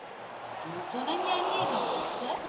Tuto definici používá většina zemí.